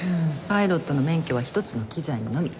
パイロットの免許は１つの機材のみ。